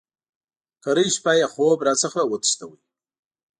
کرۍ شپه یې خوب را څخه وتښتاوه.